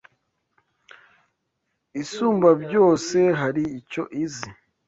Isumbabyose hari icyo izi?